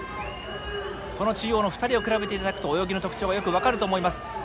この中央の２人を比べていただくと泳ぎの特徴がよく分かると思います。